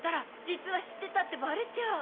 実は知ってたってバレちゃう。